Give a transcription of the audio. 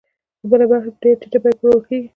بله برخه یې په ډېره ټیټه بیه پلورل کېږي